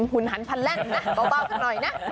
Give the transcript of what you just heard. หุ่นหันพันแล่นนะเบากันหน่อยนะ